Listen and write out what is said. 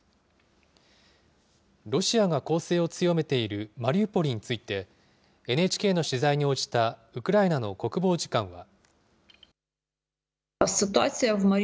ロシアが攻勢を強めているマリウポリについて、ＮＨＫの取材に応じたウクライナの国防次官は。